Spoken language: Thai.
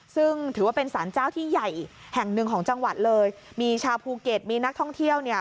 ซึ่งถือว่าเป็นสารเจ้าที่ใหญ่แห่งหนึ่งของจังหวัดเลยมีชาวภูเก็ตมีนักท่องเที่ยวเนี่ย